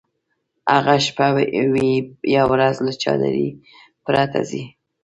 هغه شپه وي یا ورځ له چادرۍ پرته ځي.